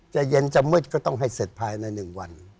จะเย็นจะมืดก็ต้องให้เสร็จภายใน๑วัน